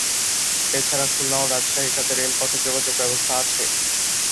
এছাড়া খুলনা ও রাজশাহীর সাথে রেলপথে যোগাযোগ ব্যবস্থা আছে।